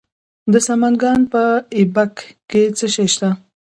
د سمنګان په ایبک کې څه شی شته؟